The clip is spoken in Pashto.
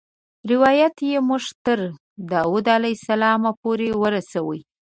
روایت یې موږ تر داود علیه السلام پورې ورسوي.